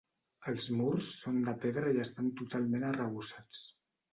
Els murs són de pedra i estan totalment arrebossats.